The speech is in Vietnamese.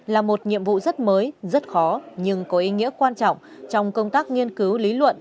là một nhiệm vụ rất mới rất khó nhưng có ý nghĩa quan trọng trong công tác nghiên cứu lý luận